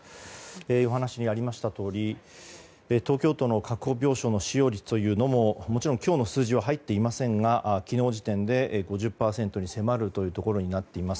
お話にありましたとおり東京都の確保病床の使用率ももちろん今日の数字は入っていませんが昨日時点で５０％に迫るというところになっています。